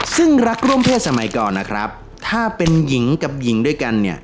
ซึ่งรักร่วมเพศสมัยก่อนนะครับถ้าเป็นหญิงกับหญิงด้วยกันเนี่ย